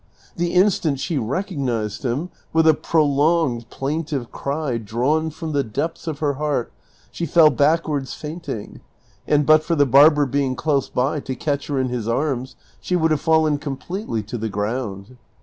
The instant she recognized him, with a prolonged plaintive cry drawn from the depths of her heart, she fell backwards fainting, and but for the barber being close by to catch her in his arms, she would have fallen completely to the ground.